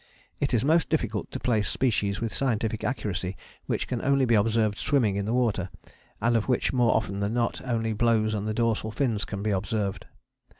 It is most difficult to place species with scientific accuracy which can only be observed swimming in the water, and of which more often than not only blows and the dorsal fins can be observed.